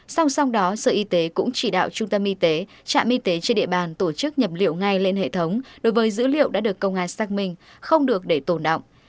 song song đó sở y tế cũng chỉ đạo trung tâm y tế trạm y tế trên địa bàn tổ chức nhập liệu ngay lên hệ thống đối với dữ liệu đã được công an xác minh không được để tổn động